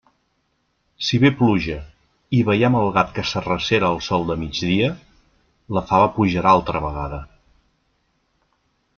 Si ve pluja i veiem el gat que s'arrecera al sol de migdia, la fava pujarà altra vegada.